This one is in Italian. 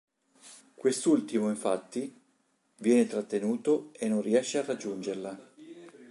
Quest'ultimo, infatti, viene trattenuto e non riesce a raggiungerla.